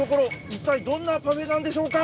一体どんなパフェなんでしょうか？